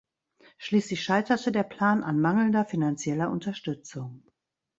Schließlich scheiterte der Plan an mangelnder finanzieller Unterstützung.